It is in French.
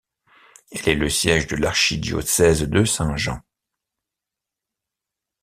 Elle est le siège de l'Archidiocèse de Saint-Jean.